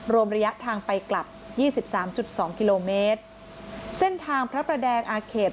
รวมระยะทางไปกลับ๒๓๒กิโลเมตรเส้นทางพระประแดงอาเขต